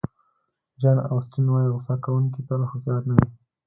جان اوسټین وایي غوصه کوونکي تل هوښیار نه وي.